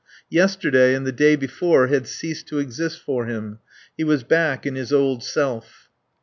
Yesterday and the day before had ceased to exist for him. He was back in his old self.